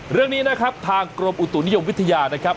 เรื่องนี้นะครับทางกรมอุตุนิยมวิทยานะครับ